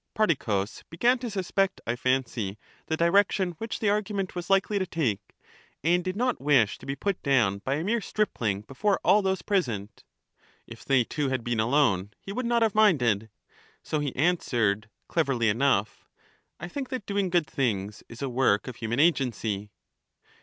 Prodicus began to suspect, I fancy, the direction which the argument was likely to take, and did not wish to be put down by a mere stripling before all those present: — (if they two had been alone, he would not have minded): — so he answered, cleverly enough : I think that doing good things is a work of human agency.